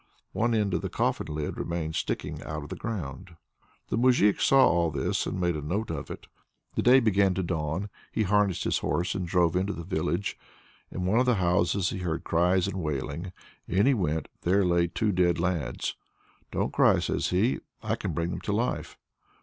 One end of the coffin lid remained sticking out of the ground. The moujik saw all this and made a note of it. The day began to dawn; he harnessed his horse and drove into the village. In one of the houses he heard cries and wailing. In he went there lay two dead lads. "Don't cry," says he, "I can bring them to life!"